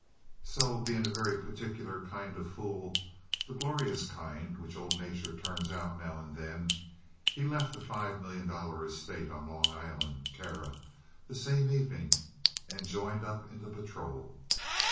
So, being a very particular kind of a fool, the glorious kind which old Nature turns out now and then, he left a five million dollar estate on Long Island, Terra, that same evening, and joined up in the Patrol.